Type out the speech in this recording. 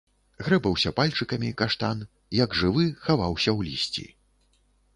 Грэбаўся пальчыкамі, каштан, як жывы, хаваўся ў лісці.